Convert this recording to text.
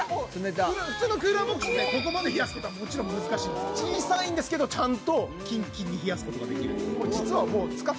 普通のクーラーボックスでここまで冷やすことはもちろん難しいんです小さいんですけどちゃんとキンキンに冷やすことができる。